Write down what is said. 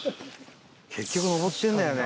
結局上ってるんだよね。